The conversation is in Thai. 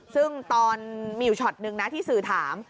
ซึ่งตอนมีอยู่ช็อตนึงนะที่สื่อถาม